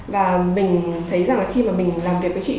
và mình thấy rằng là khi mà mình làm việc với chị